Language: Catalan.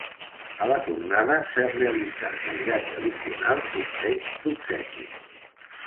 A la tornada s’ha realitzat el ja tradicional sorteig d’obsequis.